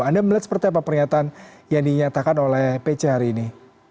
anda melihat seperti apa pernyataan yang dinyatakan oleh pc hari ini